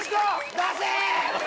出せ！